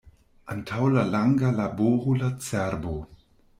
Antaŭ la lango laboru la cerbo.